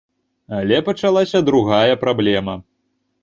Але пачалася другая праблема.